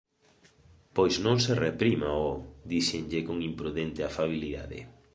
Pois non se reprima, ho! –díxenlle con imprudente afabilidade–.